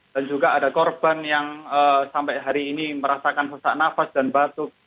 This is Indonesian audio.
dan juga ada korban yang sampai hari ini merasakan susah nafas dan batuk